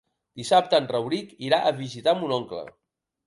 Dissabte en Rauric irà a visitar mon oncle.